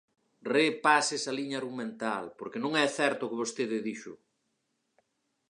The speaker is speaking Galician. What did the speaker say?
Repase esa liña argumental, porque non é certo o que vostede dixo.